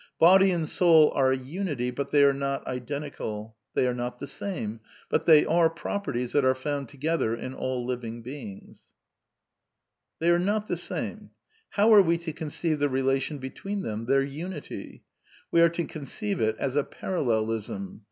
Body and soul are a unity, but they are not identi cal : they are not the same, but they are properties that are found together in all living beings." (Physiologische Psychologie, Vol. ni. Chap. XXn, Page 767 et seq.) They are not the same. How are we to conceive the relation between them — their unity ? We are to conceive it as a parallelism.